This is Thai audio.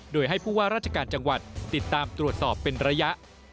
โดยให้ผู้ว่าราชการจังหวัดติดตามตรวจสอบเป็นระยะ